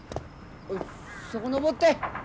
そこ上って。